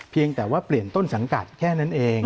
เพียงแต่ว่าเปลี่ยนต้นสังกัดแค่นั้นเอง